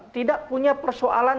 tidak punya persoalan